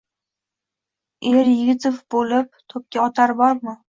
Eryigitov boʼlib toʼpga otar bormi?